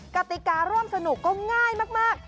กติการ่วมสนุกก็ง่ายมาก